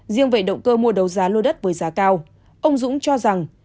riêng về động cơ mua đấu giá lô đất với giá cao ông dũng cho rằng